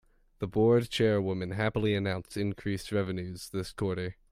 The board chairwoman happily announced increased revenues this quarter.